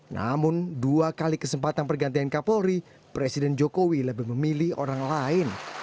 namun dua kali kesempatan pergantian kapolri presiden jokowi lebih memilih orang lain